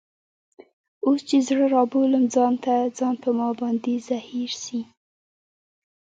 اوس چي زړه رابولم ځان ته ، ځان په ما باندي زهیر سي